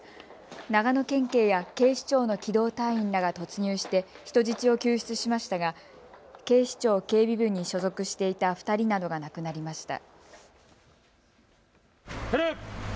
長野県警や警視庁の機動隊員らが突入して人質を救出しましたが警視庁警備部に所属していた２人などが亡くなりました。